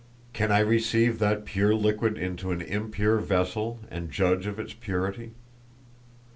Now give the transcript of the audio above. "Can I receive that pure liquid into an impure vessel and judge of its purity?